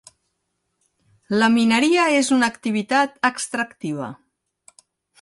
La mineria és una activitat extractiva.